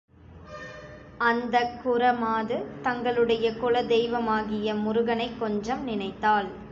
அந்தக் குற மாது தங்களுடைய குல தெய்வமாகிய முருகனைக் கொஞ்சம் நினைத்தாள்.